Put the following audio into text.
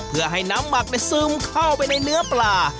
เพื่อให้น้ำหมักซึมเข้าไปในเนื้อปลา